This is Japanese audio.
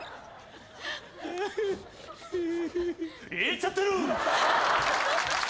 いっちゃってるー。